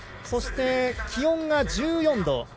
そして、気温が１４度。